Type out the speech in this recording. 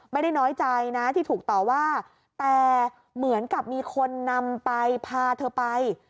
ไม่ได้น้อยใจนะที่ถูกต่อว่าแต่เหมือนกับมีคนนำไปพาเธอไป